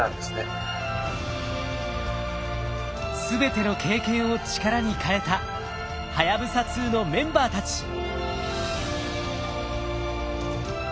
全ての経験を力に変えたはやぶさ２のメンバーたち。